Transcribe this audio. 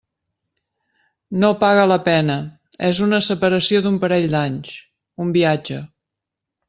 No paga la pena; és una separació d'un parell d'anys..., un viatge.